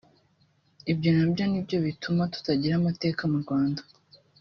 ibyo nabyo nibyo bituma tutagira amateka mu Rwanda